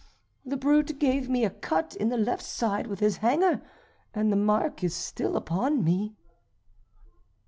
The brute gave me a cut in the left side with his hanger, and the mark is still upon me."